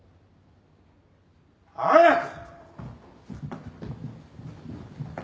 早く！